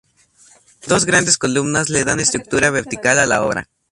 Dos grandes columnas le dan estructura vertical a la obra.